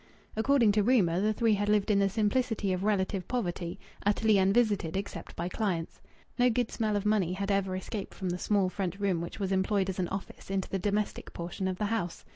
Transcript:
According to rumour the three had lived in the simplicity of relative poverty, utterly unvisited except by clients. No good smell of money had ever escaped from the small front room which was employed as an office into the domestic portion of the house.